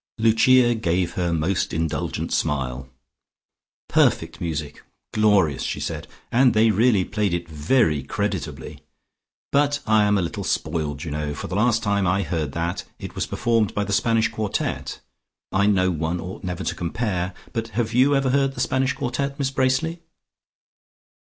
Lucia gave her most indulgent smile. "Perfect music! Glorious!" she said. "And they really played it very creditably. But I am a little spoiled, you know, for the last time I heard that it was performed by the Spanish Quartet. I know one ought never to compare, but have you ever heard the Spanish Quartet, Miss Bracely?"